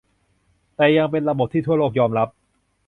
แต่ยังเป็นระบบที่ทั่วโลกยอมรับ